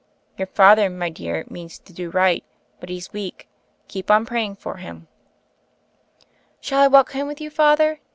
"Your father, my dear, means to do right, but he's weak. Keep on praying for him." "Shall I walk home with you. Father?"